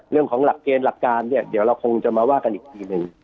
เรื่องของหลักเกณฑ์หลักการเนี่ยเดี๋ยวเราคงจะมาว่ากันอีกทีหนึ่ง